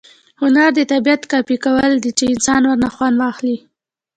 هنر د طبیعت کاپي کول دي، چي انسانان ورنه خوند واخلي.